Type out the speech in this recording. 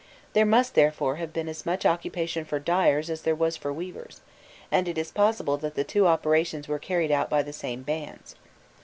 There must, therefore, have been as much occupation for dyers as there was for weavers; and it is possible that the two operations were carried out by the same hands.